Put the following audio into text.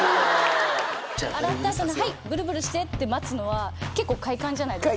洗った後に「はいブルブルして」って待つのは結構快感じゃないですか？